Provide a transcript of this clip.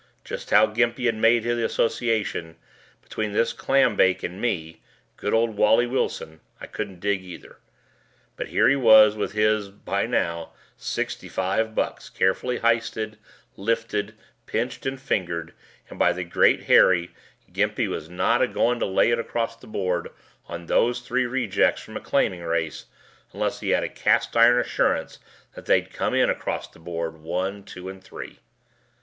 Just how Gimpy had made the association between this clambake and me good old Wally Wilson I couldn't dig either. But here he was with his by now sixty five bucks carefully heisted, lifted, pinched and fingered, and by the great Harry, Gimpy was not a goin' to lay it across the board on those three rejects from a claiming race unless he had a cast iron assurance that they'd come in across the board, one, two, and three.